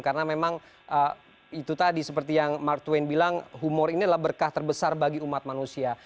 karena memang itu tadi seperti yang mark twain bilang humor ini adalah berkah terbesar bagi umat manusia